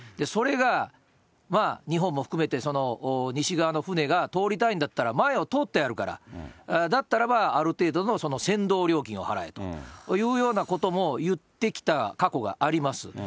それが、日本も含めて西側の船が通りたいんだったら、前を通ってやるから、だったらば、ある程度の料金を払えというようなことも言ってきた過去があります。